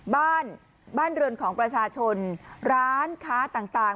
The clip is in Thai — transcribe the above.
บ้านบ้านเรือนของประชาชนร้านค้าต่าง